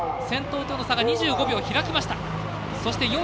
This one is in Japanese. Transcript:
先頭との差が２５秒開きました。